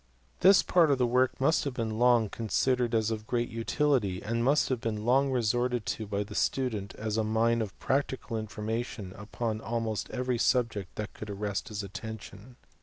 This part of the work must have been long considered as of great utility, and must have been long resorted to by the student as a mine of practical information upon almost every subject that could ar rest his attention.